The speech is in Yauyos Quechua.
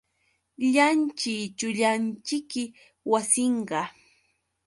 Illanćhi, chunyanćhiki wasinqa.